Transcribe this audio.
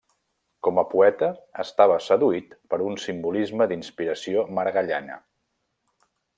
Com a poeta, estava seduït per un simbolisme d'inspiració maragalliana.